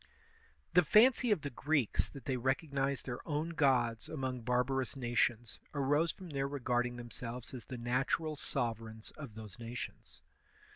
The fancy of the Greeks that they recognized their own gods among barbarous nations arose from their re garding themselves as the natural sovereigns of those nations.